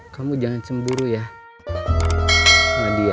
kamu jangan cemburu ya nadia